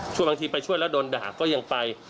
บางทีไปช่วยแล้วโดนด่าก็ยังไป